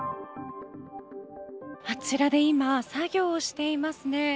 あちらで今作業していますね。